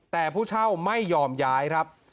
แต่ผู้เช่าไม่ยอมย้ายครับ